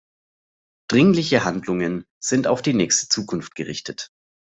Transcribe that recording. Dringliche Handlungen sind auf die nächste Zukunft gerichtet.